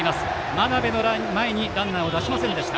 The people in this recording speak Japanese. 真鍋の前にランナーを出しませんでした。